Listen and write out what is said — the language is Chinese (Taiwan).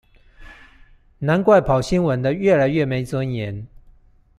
難怪跑新聞的越來越沒尊嚴